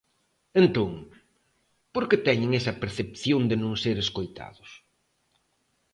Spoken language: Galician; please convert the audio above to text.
Entón, por que teñen esa percepción de non ser escoitados?